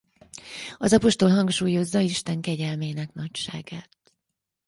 Az apostol hangsúlyozza Isten kegyelmének nagyságát.